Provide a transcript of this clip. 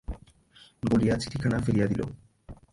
বলিয়া চিঠিখানা ফেলিয়া দিল।